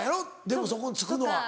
でもそこに付くのは。